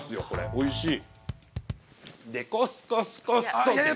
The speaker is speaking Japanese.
おいしい。